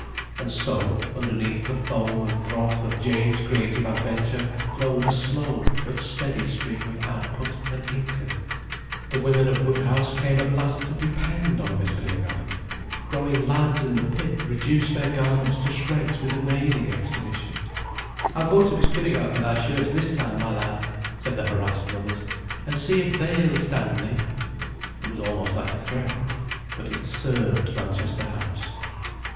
And so, underneath the foam and froth of James' creative adventure flowed a slow but steady stream of output and income. The women of Woodhouse came at last to depend on Miss Pinnegar. Growing lads in the pit reduce their garments to shreds with amazing expedition. "I'll go to Miss Pinnegar for thy shirts this time, my lad," said the harassed mothers, "and see if they'll stand thee." It was almost like a threat. But it served Manchester House.